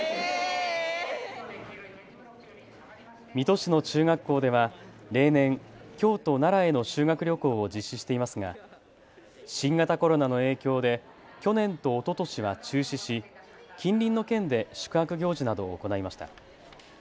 水戸市の中学校では例年、京都、奈良への修学旅行を実施していますが新型コロナの影響で去年とおととしは中止し近隣の県で宿泊行事などを行いました。